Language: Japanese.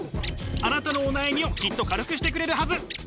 あなたのお悩みをきっと軽くしてくれるはず。